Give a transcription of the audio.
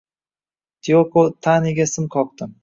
Tiyoko Taniga sim qoqdi